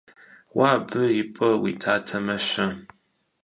Уэ абы и пӀэ уитатэмэ-щэ?